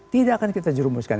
tidak akan kita jerumuskan